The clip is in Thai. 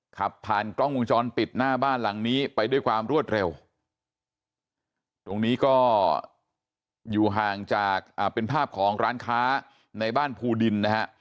ขับผ่านกล้องวงจรปิดหน้าบ้านหลังนี้ไปด้วยความรวดเร็วตรงนี้ก็อยู่ห่างจากเป็นภาพของร้านค้าในบ้านภูดินนะฮะ